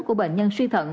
của bệnh nhân suy thận